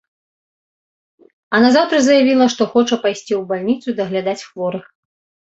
А назаўтра заявіла, што хоча пайсці ў больніцу даглядаць хворых.